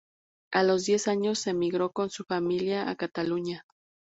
A los diez años emigró con su familia a Cataluña.